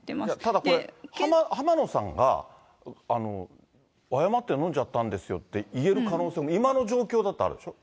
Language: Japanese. ただこれ、浜野さんが誤って飲んじゃったんですよって言える可能性も、今の状況だとあるでしょ。